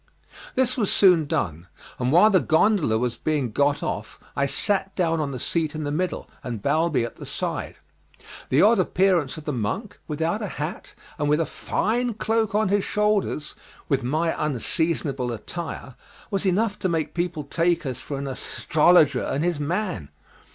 This was soon done, and while the gondola was being got off I sat down on the seat in the middle, and Balbi at the side. The odd appearance of the monk, without a hat and with a fine cloak on his shoulders, with my unseasonable attire, was enough to make people take us for an astrologer and his man.